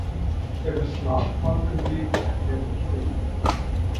It is not thought to be endemic to California.